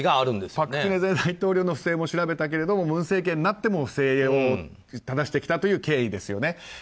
朴槿惠前大統領の不正を調べたけれども文政権になっても不正をただしてきたという経緯ですよね。